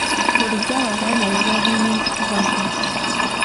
Bulijjo Abaganda be baalumbanga.